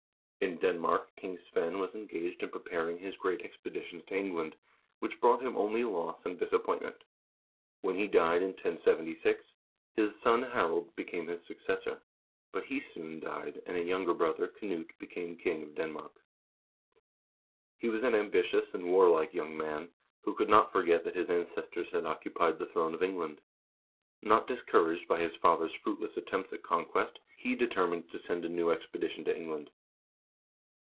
In Denmark King Svein was engaged in preparing his great expeditions to Eng land, which brought him only loss and disappointment. When he died in 1076, his son Harald became his successor, but he soon died, and a younger brother, Knut, became king of Denmark. He was an ambitious and warlike young man, who could not forget that his ancestors had occupied the throne of England. Not discouraged by his father's fruitless attempts at conquest, he determined to send a new expedition to England.